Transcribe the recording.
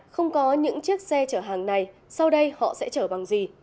không có những chiếc xe chở hàng này sau đây họ sẽ chở bằng gì